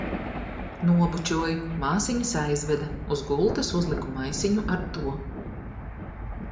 Nobučoju, māsiņas aizveda, uz gultas uzliku maisiņu ar to.